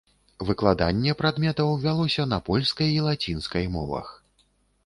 Выкладанне прадметаў вялося на польскай і лацінскай мовах.